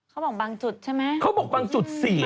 เขาบอกบางจุดใช่ไหมเขาบอกบางจุดเสีย